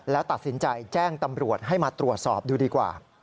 แล้วตัดสินใจแจ้งตำรวจให้มาตรวจสอบดูดีกว่า